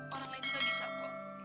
orang lain juga bisa kok